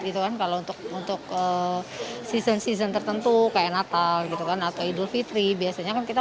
gitu kan kalau untuk untuk season season tertentu kayak natal gitu kan atau idul fitri biasanya kan kita